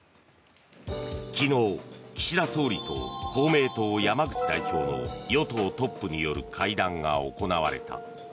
昨日、岸田総理と公明党、山口代表の与党トップによる会談が行われた。